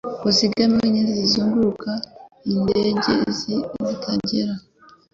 Uzigame aho inyenzi zizunguruka indege ye zitagera,